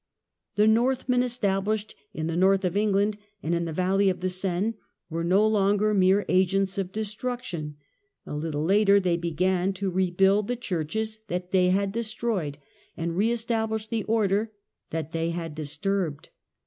The Northmen, established in the north of England and in the valley of the Seine, were no longer mere agents of destruction ; a little later they began to rebuild the churches that they had destroyed and re establish the order that they had disturbed.